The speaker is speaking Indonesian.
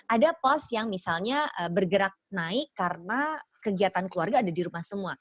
ada pos yang misalnya bergerak naik karena kegiatan keluarga ada di rumah semua